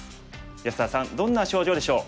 安田さんどんな症状でしょう。